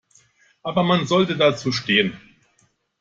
Aber man sollte dazu stehen.